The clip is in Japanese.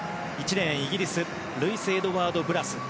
１レーン、イギリスのルイス・エドワード・ブラス。